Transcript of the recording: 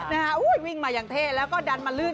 นะฮะอุ้ยวิ่งมาอย่างเท่แล้วก็ดันมาลื่น